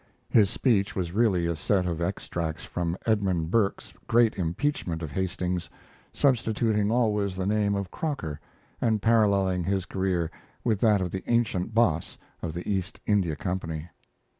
His speech was really a set of extracts from Edmund Burke's great impeachment of Hastings, substituting always the name of Croker, and paralleling his career with that of the ancient boss of the East India Company.